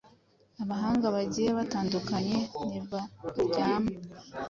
Abahanga bagiye batandukanye ntibaryama,